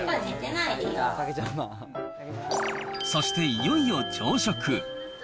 そしていよいよ朝食。